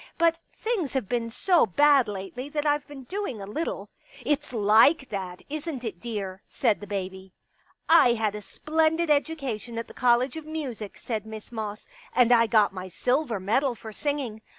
But things have been so bad lately that I've been doing a little." " It's like that, isn't it, dear ?" said the baby. " I had a splendid education at the College of Music," said Miss Moss, " and I got my silver medal for singing.